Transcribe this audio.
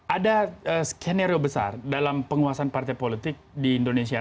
ada skenario besar dalam penguasaan partai politik di indonesia